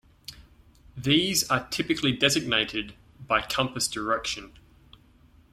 These are typically designated by compass direction.